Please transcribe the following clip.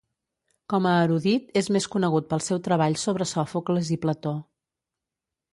Com a erudit és més conegut pel seu treball sobre Sòfocles i Plató.